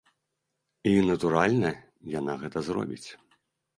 І, натуральна, яна гэта зробіць.